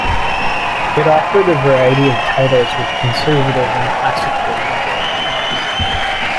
It offered a variety of titles with Conservative and classical Liberal themes.